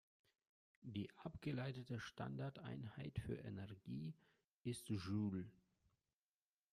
Die abgeleitete Standardeinheit für Energie ist Joule.